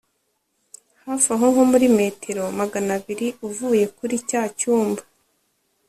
hafi aho nko muri metero maganabiri uvuye kuri cya cyumba